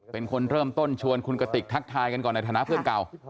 เป็นคนเริ่มต้นชวนคุณกติกทักทายกันก่อนในฐานะเพื่อนเก่า